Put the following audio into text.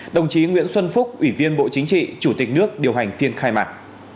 đồng chí nguyễn xuân phúc ủy viên bộ chính trị chủ tịch nước điều hành phiên khai mạc